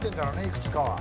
いくつかは。